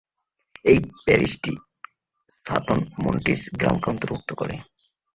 এই প্যারিশটি Sutton Montis গ্রামকে অন্তর্ভুক্ত করে।